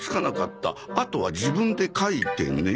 「あとは自分で書いてね」